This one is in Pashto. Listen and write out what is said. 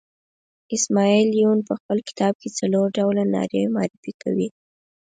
اسماعیل یون په خپل کتاب کې څلور ډوله نارې معرفي کوي.